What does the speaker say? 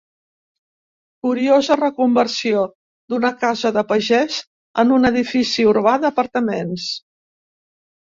Curiosa reconversió d'una casa de pagès en edifici urbà d'apartaments.